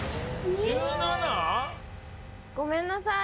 １７？ごめんなさい！